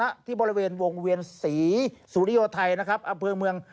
ที่บริเวณวงเวียนศรีสุริโยไทยนะครับอำเภอเมือง